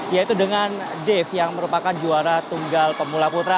yaitu dengan dave yang merupakan juara tunggal pemula putra